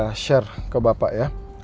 yang sudah saya share ke bapak ya